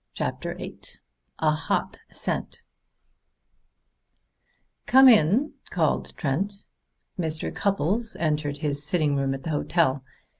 CHAPTER VIII A HOT SCENT "Come in," called Trent. Mr. Cupples entered his sitting room at the hotel.